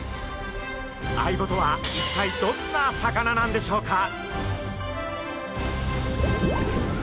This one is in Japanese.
アイゴとは一体どんな魚なんでしょうか？